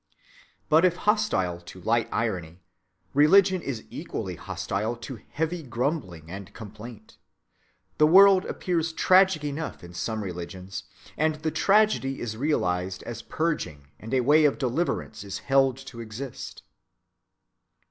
But if hostile to light irony, religion is equally hostile to heavy grumbling and complaint. The world appears tragic enough in some religions, but the tragedy is realized as purging, and a way of deliverance is held to exist.